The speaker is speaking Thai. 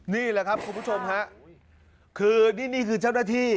นี่แหละครับคุณผู้ชมฮะคือนี่คือเจ้าหน้าที่